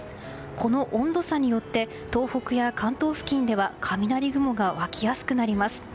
この温度差によって東北や関東付近では雷雲が湧きやすくなります。